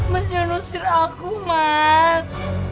mas jangan usir aku mas